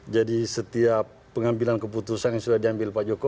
jadi setiap pengambilan keputusan yang sudah diambil pak hussein